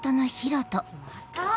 また？